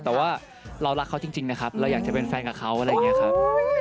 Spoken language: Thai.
แต่ว่าเรารักเขาจริงนะครับเราอยากจะเป็นแฟนกับเขาอะไรอย่างนี้ครับ